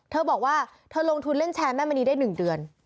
เธอบอกว่าเธอลงทุนเล่นแชร์แม่มณีได้๑เดือน